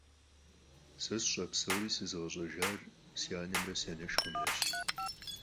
Сэ сщӀэ псори сэзыгъэщӀэжар си анэмрэ, си анэшхуэмрэщ.